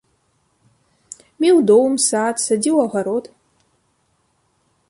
Меў дом, сад, садзіў агарод.